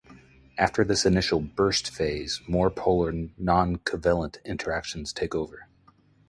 After this initial "burst phase," more polar non-covalent interactions take over.